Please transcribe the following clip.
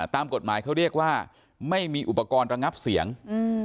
ตามกฎหมายเขาเรียกว่าไม่มีอุปกรณ์ระงับเสียง